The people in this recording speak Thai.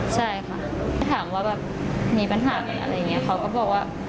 ที่ถามว่ามีปัญหาไหนอะไรอย่างเนี่ยเค้าก็บอกว่ะ